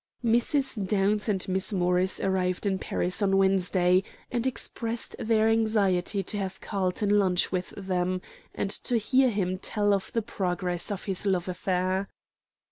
Mrs. Downs and Miss Morris arrived in Paris on Wednesday, and expressed their anxiety to have Carlton lunch with them, and to hear him tell of the progress of his love affair.